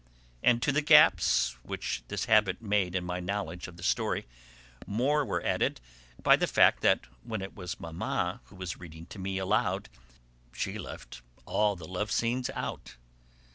And to the gaps which this habit made in my knowledge of the story more were added by the fact that when it was Mamma who was reading to me aloud she left all the love scenes out.